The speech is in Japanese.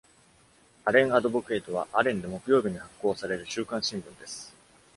「アレン・アドボケイト」はアレンで木曜日に発行される週刊新聞です。